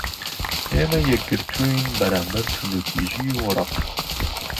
ئێمە یەكگرتووین بەرامبەر تووندوتیژی و رق